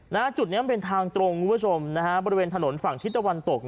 นะฮะจุดนี้มันเป็นทางตรงบริเวณถนนฝั่งที่ตะวันตก